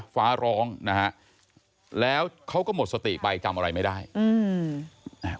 ฟ้าร้องนะฮะแล้วเขาก็หมดสติไปจำอะไรไม่ได้อืมอ่า